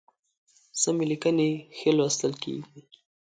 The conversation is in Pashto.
سمي لیکنی ښی لوستل کیږي